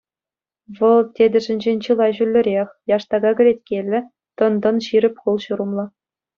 Вӑл тетӗшӗнчен чылай ҫӳллӗрех, яштака кӗлеткеллӗ, тӑн-тӑн ҫирӗп хул-ҫурӑмлӑ.